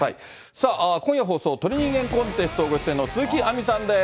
さあ、今夜放送、鳥人間コンテストご出演の鈴木亜美さんです。